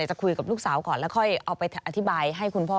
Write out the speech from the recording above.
จะคุยกับลูกสาวก่อนแล้วค่อยเอาไปอธิบายให้คุณพ่อ